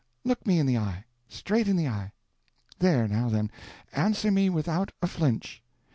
Look me in the eye—straight in the eye. There, now then, answer me without a flinch.